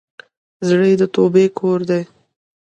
زړه د توبې کور دی.